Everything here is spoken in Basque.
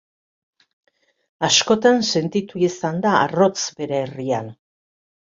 Askotan sentitu izan da arrotz bere herrian.